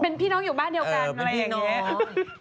เป็นพี่น้องอยู่บ้านเดียวกันอะไรอย่างนี้